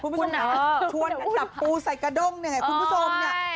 คุณผู้สมค้าชวนกับปูใส่กระด้มเนี่ยค่ะคุณผู้สมเนี่ย